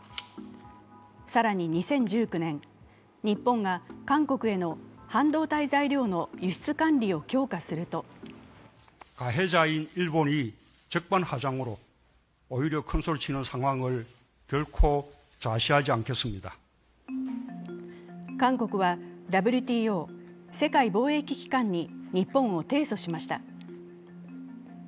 更に２０１９年、日本が韓国への半導体材料の輸出管理を強化すると韓国はＷＴＯ＝世界貿易機関に日本を提訴しました。